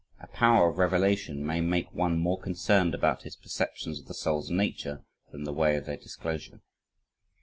A power of revelation may make one more concerned about his perceptions of the soul's nature than the way of their disclosure.